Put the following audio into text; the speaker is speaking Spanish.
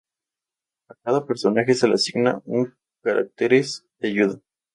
A cada personaje se le asigna un caracteres de ayuda.